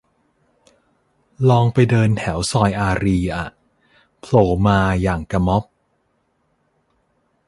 ลองไปเดินแถวซอยอารีย์อะ โผล่มาอย่างกะม็อบ